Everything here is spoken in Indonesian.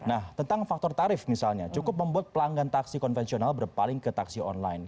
nah tentang faktor tarif misalnya cukup membuat pelanggan taksi konvensional berpaling ke taksi online